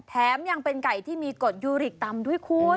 แถมยังเป็นไก่ที่มีกฎยูริกต่ำด้วยคุณ